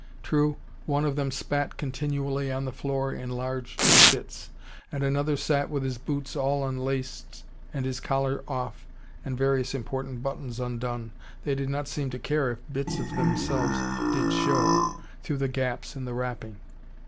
True, one of them spat continually on the floor, in large spits. And another sat with his boots all unlaced and his collar off, and various important buttons undone. They did not seem to care if bits of themselves did show, through the gaps in the wrapping.